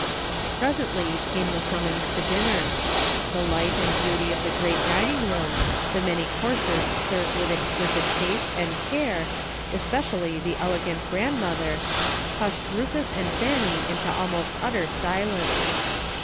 Presently came the sum mons to dinner. The light and beauty of the great dining room, the many courses served ENTERTAINING COMPANY. 281 with exquisite taste and care, especially the elegant grandmother, hushed Rufus and Fanny into almost utter silence.